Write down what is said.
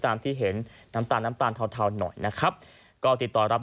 แล้วยายกับปากถึงเจ้าของให้มั้งครับ